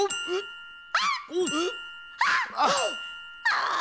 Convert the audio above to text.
ああ！